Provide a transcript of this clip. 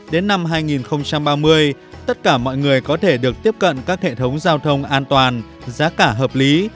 một mươi một hai đến năm hai nghìn ba mươi tất cả mọi người có thể được tiếp cận các hệ thống giao thông an toàn giá cả hợp lý